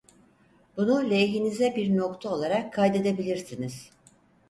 Bunu lehinize bir nokta olarak kaydedebilirsiniz…